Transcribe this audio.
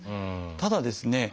ただですね